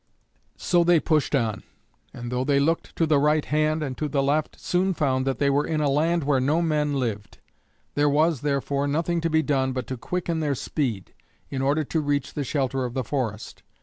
So they pushed on, and though they looked to the right hand and to the left, soon found that they were in a land where no men lived. There was, therefore, nothing to be done but to quicken their speed, in order to reach the shelter of the forest.